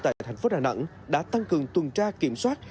tại thành phố đà nẵng đã tăng cường tuần tra kiểm soát